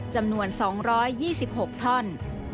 จำนวน๒๒๖ท่อน